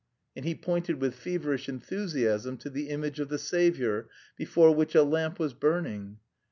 And he pointed with feverish enthusiasm to the image of the Saviour, before which a lamp was burning.